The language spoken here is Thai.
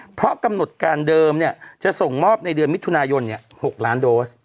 เพราะกำหนดการเดิมจะส่งมอบในเดือนมิถุนายน๖ล้านโดส